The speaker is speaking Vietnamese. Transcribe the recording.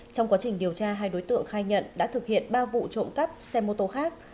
trong quá trình điều tra hai đối tượng khai nhận đã thực hiện ba vụ trộm cắp xe mô tô khác